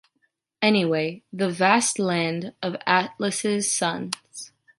Anyway the vast land of Atlas’s sons.